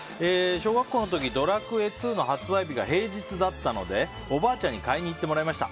小学校の時「ドラクエ２」の発売日が平日だったのでおばあちゃんに買いに行ってもらいました。